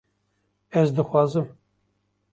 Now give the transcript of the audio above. Ez dixwazim